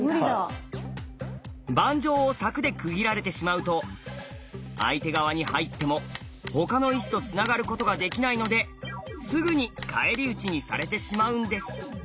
盤上を柵で区切られてしまうと相手側に入っても他の石とつながることができないのですぐに返り討ちにされてしまうんです。